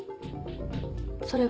それが？